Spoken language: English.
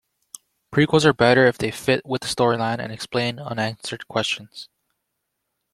Prequels are better if they fit with the storyline and explain unanswered questions.